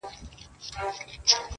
کلي دوه برخې ښکاري اوس ډېر،